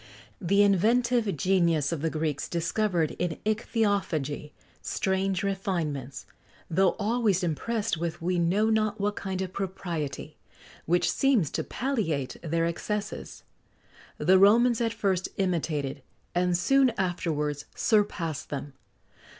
The inventive genius of the Greeks discovered in ichthyophagy strange refinements, though always impressed with we know not what kind of propriety, which seems to palliate their excesses. The Romans at first imitated, and soon afterwards surpassed them.